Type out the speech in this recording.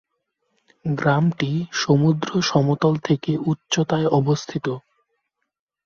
গ্রামটি সমুদ্র সমতল থেকে উচ্চতায় অবস্থিত।